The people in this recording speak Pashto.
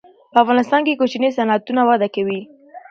په افغانستان کې کوچني صنعتونه وده کوي.